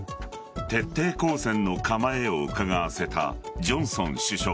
徹底抗戦の構えをうかがわせたジョンソン首相。